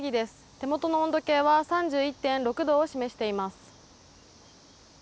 手元の温度計は３１．６度を示しています。